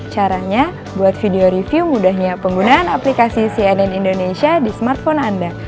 caranya buat video review mudahnya penggunaan aplikasi cnn indonesia di smartphone anda